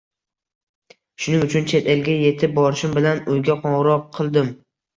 Shuning uchun chet elga yetib borishim bilan uyga qoʻngʻiroq qildim